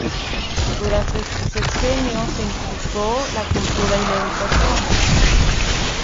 Durante su sexenio se impulsó la cultura y la educación.